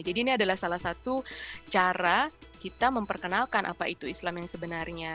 jadi ini adalah salah satu cara kita memperkenalkan apa itu islam yang sebenarnya